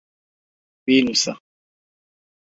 بینووسە.